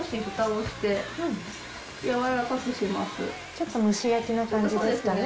ちょっと蒸し焼きの感じですかね。